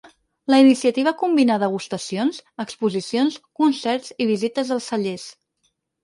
La iniciativa combina degustacions, exposicions, concerts i visites als cellers.